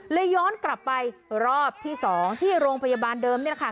ย้อนกลับไปรอบที่๒ที่โรงพยาบาลเดิมนี่แหละค่ะ